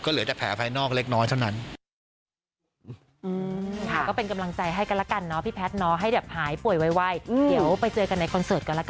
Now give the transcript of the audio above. เหลือแต่แผลภายนอกเล็กน้อยเท่านั้น